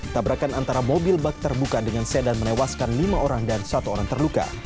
tabrakan antara mobil bak terbuka dengan sedan menewaskan lima orang dan satu orang terluka